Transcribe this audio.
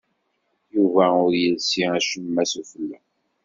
Yuba ur yelsi acemma sufella.